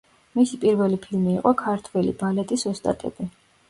მისი პირველი ფილმი იყო „ქართველი ბალეტის ოსტატები“.